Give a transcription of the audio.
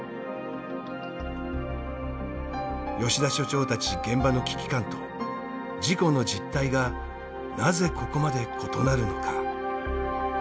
吉田所長たち現場の危機感と事故の実態がなぜここまで異なるのか。